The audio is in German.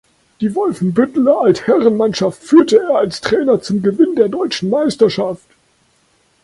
Die Wolfenbütteler Altherrenmannschaft führte er als Trainer zum Gewinn der deutschen Meisterschaft.